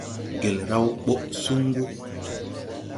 Ŋgel raw ɓɔʼ suŋgu.